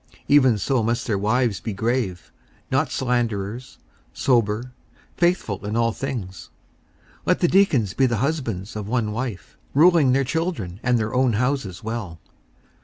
54:003:011 Even so must their wives be grave, not slanderers, sober, faithful in all things. 54:003:012 Let the deacons be the husbands of one wife, ruling their children and their own houses well.